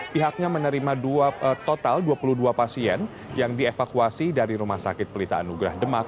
pihaknya menerima total dua puluh dua pasien yang dievakuasi dari rumah sakit pelita anugerah demak